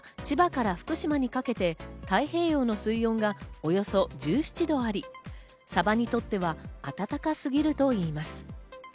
今年は千葉から福島にかけて太平洋の水温がおよそ１７度あり、サバにとっては温かすぎるといいます。